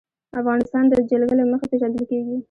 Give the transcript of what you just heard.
افغانستان د جلګه له مخې پېژندل کېږي.